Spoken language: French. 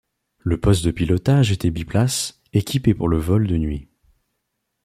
Le poste de pilotage était biplace, équipé pour le vol de nuit.